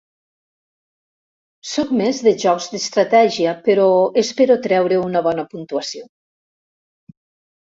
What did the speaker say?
Soc més de jocs d'estratègia, però espero treure una bona puntuació.